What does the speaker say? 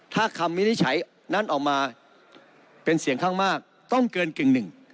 ถ้าคำวินิจฉัยนั้นออกมาเป็นเสียงข้างมากต้องเกินกึ่งหนึ่ง